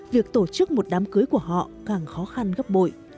việc tổ chức một đám cưới của họ càng khó khăn gấp bội